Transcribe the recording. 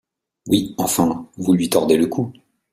Oui, enfin, vous lui tordez le cou…